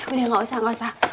udah gak usah gak usah